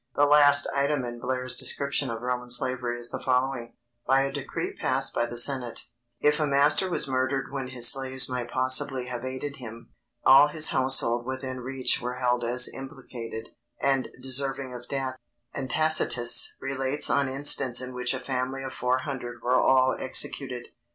The last item in Blair's description of Roman slavery is the following: _By a decree passed by the Senate, if a master was murdered when his slaves might possibly have aided him, all his household within reach were held as implicated, and deserving of death; and Tacitus relates an instance in which a family of four hundred were all executed.